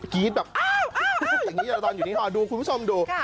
กี๊ดแบบอ้าวอ้าวอยู่ในหอดูคุณผู้ชมดู